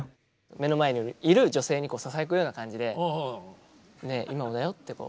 目の前にいる女性にささやくような感じで「ねえ、今もだよ」ってこう。